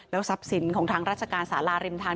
ทรัพย์สินของทางราชการสาราริมทาง